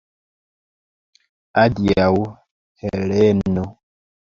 Adiaŭ, Heleno!